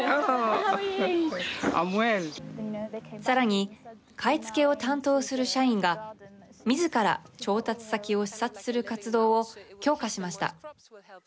さらに、買い付けを担当する社員がみずから調達先を視察する活動を強化しました。